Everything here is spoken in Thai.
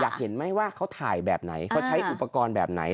อยากเห็นไหมว่าเขาถ่ายแบบไหนเขาใช้อุปกรณ์แบบไหน